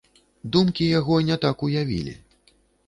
Думкі яго не так уявілі.